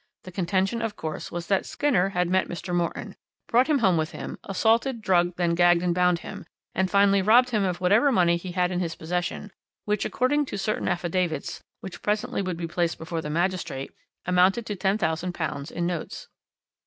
The contention, of course, was that Skinner had met Mr. Morton, brought him home with him, assaulted, drugged, then gagged and bound him, and finally robbed him of whatever money he had in his possession, which, according to certain affidavits which presently would be placed before the magistrate, amounted to £10,000 in notes.